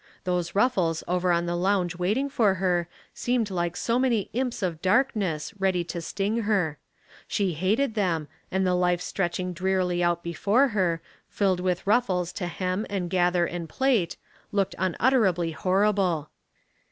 Those ruffles over on the lounge waiting for her seemed like so many imps of darkness ready to sting her; she hated them, and the life stretch ing drearily out before her, filled with ruffles to hem and gather and plait, looked unutterably horrible.